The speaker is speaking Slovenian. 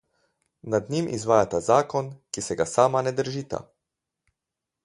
Nad njim izvajata zakon, ki se ga sama ne držita.